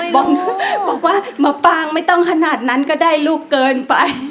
บอกว่ามะปางไม่ต้องขนาดนั้นก็ได้ลูกเกินไป